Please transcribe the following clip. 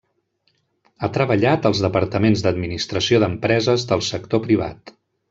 Ha treballat als departaments d'administració d'empreses del sector privat.